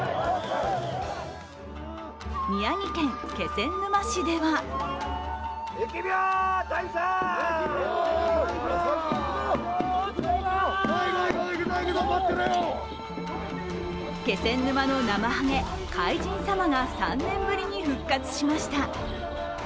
宮城県気仙沼市では気仙沼のなまはげ、海神様が３年ぶりに復活しました。